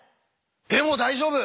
でも大丈夫！